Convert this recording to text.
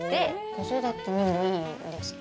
子育てにもいいんですか。